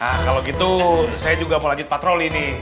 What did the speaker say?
nah kalau gitu saya juga mau lanjut patroli nih